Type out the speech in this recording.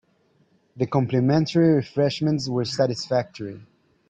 The complimentary refreshments were satisfactory.